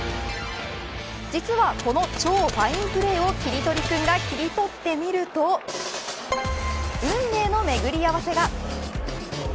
実はこの超ファインプレーをキリトリくんが切り取ってみると運命のめぐり合わせが。